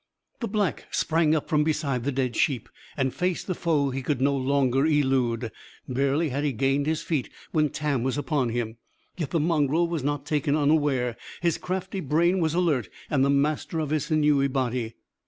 The Black sprang up from beside the dead sheep, and faced the foe he could no longer elude. Barely had he gained his feet when Tam was upon him. Yet the mongrel was not taken unaware. His crafty brain was alert and the master of his sinewy body.